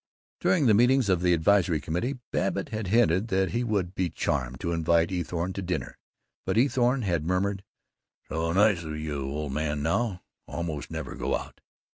During the meetings of the Advisory Committee, Babbitt had hinted that he would be charmed to invite Eathorne to dinner, but Eathorne had murmured, "So nice of you old man, now almost never go out."